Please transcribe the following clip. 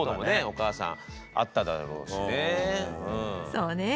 そうね。